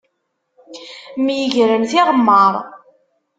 Myegren tiɣemmaṛ.